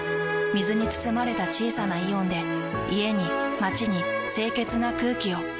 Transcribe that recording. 水に包まれた小さなイオンで家に街に清潔な空気を。